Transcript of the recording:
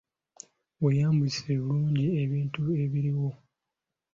Weeyambise bulungi ebintu ebiriwo.